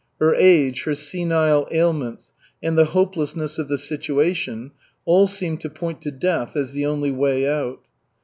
Her age, her senile ailments, and the hopelessness of the situation, all seemed to point to death as the only way out.